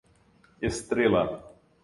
Estrela